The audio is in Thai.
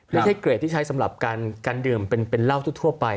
เกรดที่ใช้สำหรับการดื่มเป็นเหล้าทั่วไป